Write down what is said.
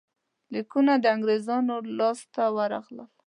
لیکونه د انګرېزانو لاسته ورغلل.